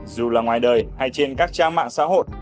dù là ngoài đời hay trên các trang mạng xã hội